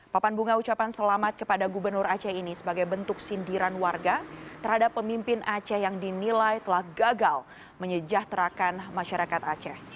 papan bunga ucapan selamat kepada gubernur aceh ini sebagai bentuk sindiran warga terhadap pemimpin aceh yang dinilai telah gagal menyejahterakan masyarakat aceh